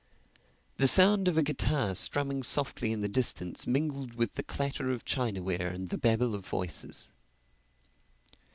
The sound of a guitar strumming softly in the distance mingled with the clatter of chinaware and the babble of voices.